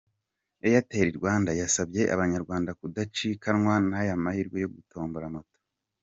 Airtel Rwanda yasabye abanyarwanda gudacikanwa n'aya mahirwe yo gutombora Moto.